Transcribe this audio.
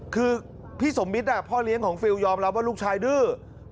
คือพี่สมมิตรพ่อเลี้ยงของฟิลยอมรับว่าลูกชายดื้อ